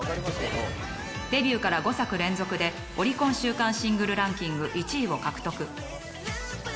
デビューから５作連続でオリコン週間シングルランキング１位を獲得。